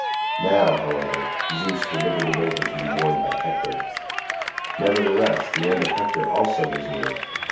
Now, however, Zeus delivered it over to be worn by Hector. Nevertheless the end of Hector also was near.